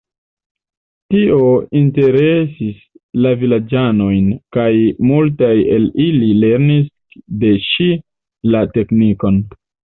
Tio interesis la vilaĝanojn, kaj multaj el ili lernis de ŝi la teknikon.